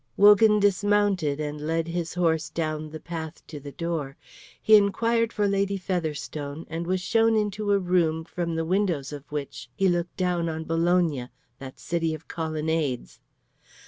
Wogan dismounted and led his horse down the path to the door. He inquired for Lady Featherstone, and was shown into a room from the windows of which he looked down on Bologna, that city of colonnades.